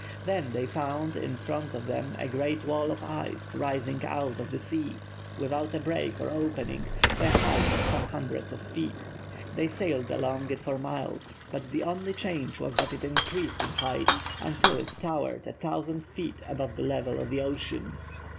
Then they found in front of them a great wall of ice rising out of the sea, without a break or opening, to a height of some hundreds of feet. They sailed along it for miles, but the only change was that it increased in height until it towered a thousand feet above the level of the ocean.